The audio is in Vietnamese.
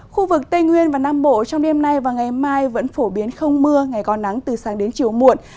khu vực tây nguyên và nam bộ trong đêm nay và ngày mai vẫn phổ biến không mưa ngày còn nắng từ sáng đến chiều muộn